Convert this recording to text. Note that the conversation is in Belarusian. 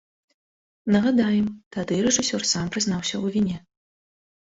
Нагадаем, тады рэжысёр сам прызнаўся ў віне.